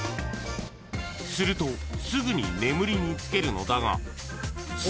［するとすぐに眠りにつけるのだが］